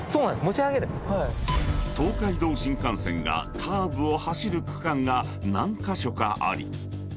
［東海道新幹線がカーブを走る区間が何カ所かあり］